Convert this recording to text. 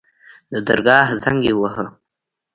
د درګاه زنګ يې وواهه.